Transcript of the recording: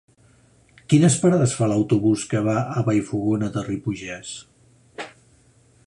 Quines parades fa l'autobús que va a Vallfogona de Ripollès?